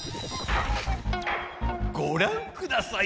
ごらんください